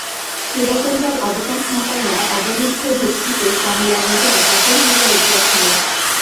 সেবা করিবার অবকাশ না পাইয়া অবরুদ্ধ ভক্তিতে কমলার হৃদয় কাতর হইয়া উঠিয়াছিল।